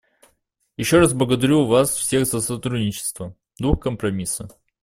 Еще раз благодарю вас всех за сотрудничество, дух компромисса.